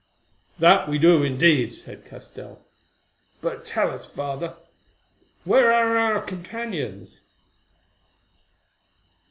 "That we do indeed," said Castell; "but tell us, Father, where are our companions?"